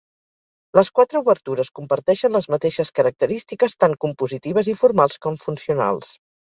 Les quatre obertures comparteixen les mateixes característiques tant compositives i formals com funcionals.